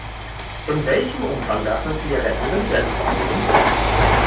In welchem Umfang darf man Zigaretten über die Grenze führen?